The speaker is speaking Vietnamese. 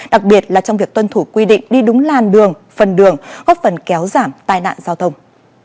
đặc biệt là trong việc tuân thủ quy định đi đúng làn đường phần đường góp phần kéo giảm tai nạn giao thông